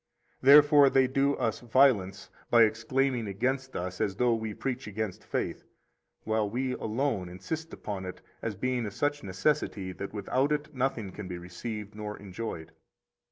Therefore they do us violence by exclaiming against us as though we preach against faith; while we alone insist upon it as being of such necessity that without it nothing can be received nor enjoyed.